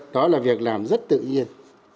đó là việc làm rất tự nhiên